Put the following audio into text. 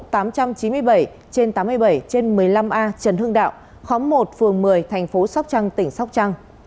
chín mươi bảy trên tám mươi bảy trên một mươi năm a trần hưng đạo khóng một phường một mươi thành phố sóc trăng tỉnh sóc trăng